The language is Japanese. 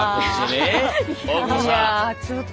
いやちょっと。